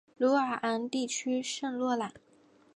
鲁瓦昂地区圣洛朗。